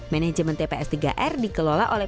manajemen tps tiga r dikelola oleh